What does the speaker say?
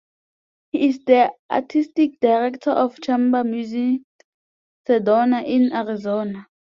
He is the Artistic Director of Chamber Music Sedona in Arizona.